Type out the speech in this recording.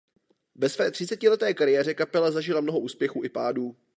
Ve své třicetileté kariéře kapela zažila mnoho úspěchů i pádů.